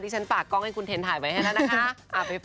ที่ฉันปากกล้องให้คุณเทนท์ถ่ายไว้ให้นะนะคะ